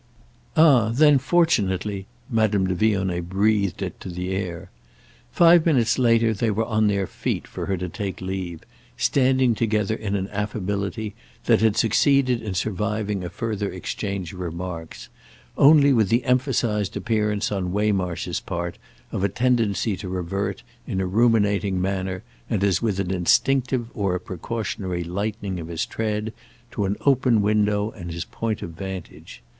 "Ah then fortunately!"—Madame de Vionnet breathed it to the air. Five minutes later they were on their feet for her to take leave, standing together in an affability that had succeeded in surviving a further exchange of remarks; only with the emphasised appearance on Waymarsh's part of a tendency to revert, in a ruminating manner and as with an instinctive or a precautionary lightening of his tread, to an open window and his point of vantage.